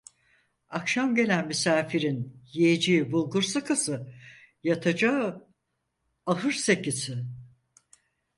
Akşam gelen misafirin, yiyeceği bulgur sıkısı, yatacağı ahır sekisi.